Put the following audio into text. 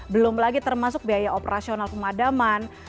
belum lagi termasuk biaya operasional pemadaman